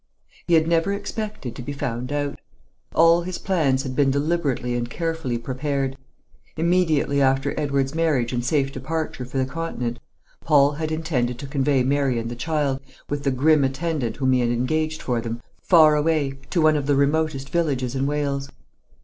He had never expected to be found out. All his plans had been deliberately and carefully prepared. Immediately after Edward's marriage and safe departure for the Continent, Paul had intended to convey Mary and the child, with the grim attendant whom he had engaged for them, far away, to one of the remotest villages in Wales.